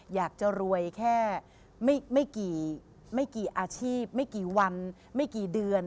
อยากจะรวยแค่ไม่กี่อาชีพไม่กี่วันไม่กี่เดือน